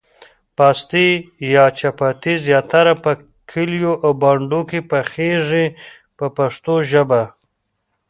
پاستي یا چپاتي زیاتره په کلیو او بانډو کې پخیږي په پښتو ژبه.